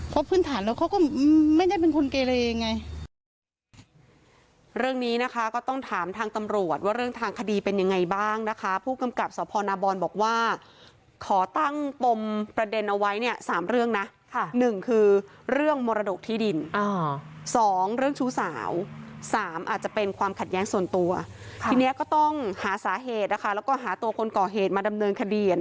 เพราะพื้นฐานแล้วเขาก็ไม่ได้เป็นคนเกรย์เลยไง